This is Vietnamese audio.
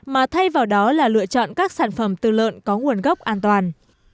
mà thay vào đó là lựa chọn các sản phẩm từ lợn có nguồn gốc an toàn